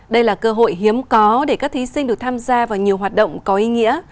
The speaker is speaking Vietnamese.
đây là cơ hội hiếm có để các thí sinh được tham gia vào nhiều hoạt động có ý nghĩa